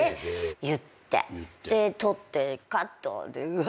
言って撮って「カット」でうわ！